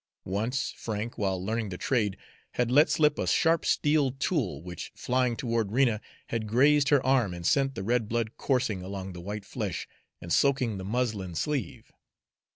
Once Frank, while learning the trade, had let slip a sharp steel tool, which flying toward Rena had grazed her arm and sent the red blood coursing along the white flesh and soaking the muslin sleeve.